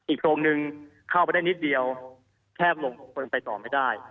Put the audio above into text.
โพรงหนึ่งเข้าไปได้นิดเดียวแคบลงคนไปต่อไม่ได้